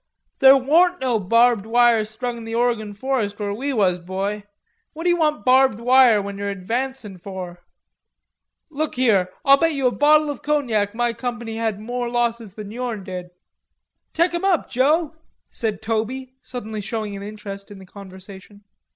"There warn't no barbed wire strung in the Oregon forest where we was, boy. What d'ye want barbed wire when you're advancin' for?" "Look here...I'll bet you a bottle of cognac my company had more losses than yourn did." "Tek him up, Joe," said Toby, suddenly showing an interest in the conversation.